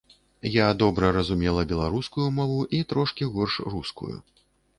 Я добра разумела беларускую мову і трошкі горш рускую.